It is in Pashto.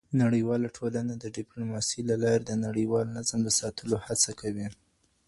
نړیواله ټولنه د ډیپلوماسۍ له لارې د نړیوال نظم د ساتلو هڅه کوي.